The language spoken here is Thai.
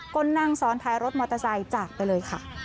ก็นั่งซ้อนท้ายรถมอเตอร์ไซค์จากไปเลยค่ะ